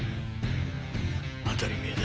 当たり前だ。